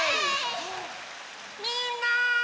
みんな！